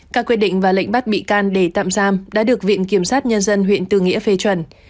các quyết định và lệnh bắt bị can để tạm giam đã được viện kiểm sát nhân dân huyện tư nghĩa phê chuẩn